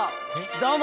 どうも！